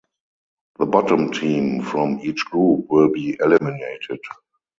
The bottom team from each group will be eliminated.